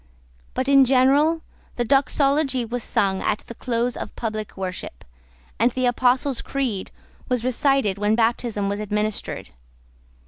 But in general the doxology was sung at the close of public worship; and the Apostles' Creed was recited when baptism was administered.